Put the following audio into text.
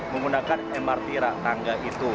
menggunakan mrt raktangga itu